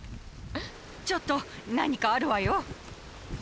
ちょっと何かあるわよ。